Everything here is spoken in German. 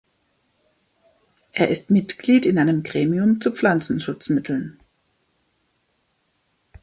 Er ist Mitglied in einem Gremium zu Pflanzenschutzmitteln.